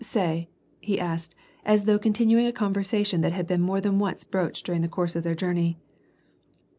— say," he asked, as though continuing a con versation that had been more than once broached during the course of their journey.